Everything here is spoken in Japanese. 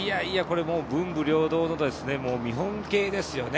もう文武両道の見本系ですよね。